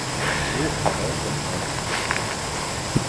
Wo ein Grau schon schreit!